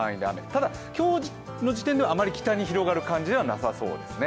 ただ、今日の時点ではあまり北に広がる感じではなさそうです。